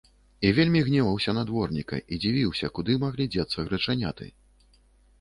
І вельмі гневаўся на дворніка і дзівіўся, куды маглі дзецца грачаняты.